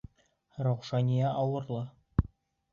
Раушания ауырлы!